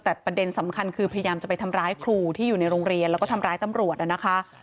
แต่ประเด็นสำคัญคือพยายามจะไปทำร้ายครูที่อยู่ในโรงเรียนแล้วก็ทำร้ายตำรวจนะคะ